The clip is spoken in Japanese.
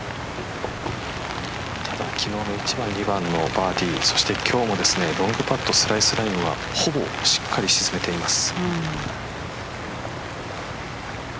昨日の１番２番のバーディーそして今日もロングパット、スライスラインはほぼしっかり沈めています